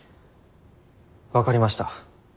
分かりました。